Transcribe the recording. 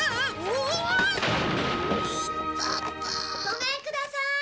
ごめんくださーい。